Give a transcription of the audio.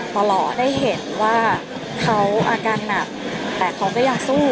ตลอดได้เห็นว่าเขาอาการหนักแต่เขาก็อยากสู้